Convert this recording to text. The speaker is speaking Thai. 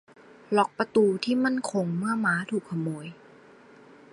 ล็อคประตูที่มั่นคงเมื่อม้าถูกขโมย